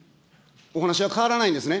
お話は変わらないんですね。